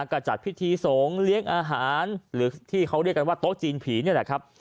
ก็จัดพิธีสงฆ์เลี้ยงอาหารหรือที่เขาเรียกกันว่าโต๊ะจีนผีนี่แหละครับ